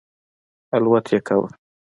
الوت یې کاوه.